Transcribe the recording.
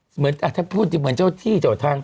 เหมือนถ้าพูดเหมือนเจ้าที่เจ้าทาง